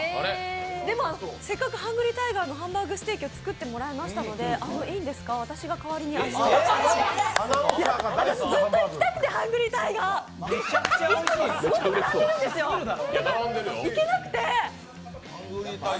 でも、せっかくハングリータイガーのハンバーグステーキを作ってもらいましたのでいいんですか、私が代わりに味をずっと行きたくて、ハングリータイガー、でも、いつもすごく並んでるんですよ、だから行けなくて。